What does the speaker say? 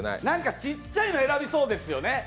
何かちっちゃいの選びそうですよね。